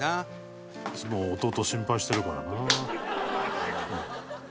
「いつも弟を心配してるからな」